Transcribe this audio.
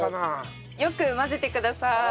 よく混ぜてください。